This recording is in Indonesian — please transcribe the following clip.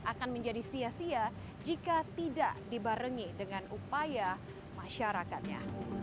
akan menjadi sia sia jika tidak dibarengi dengan upaya masyarakatnya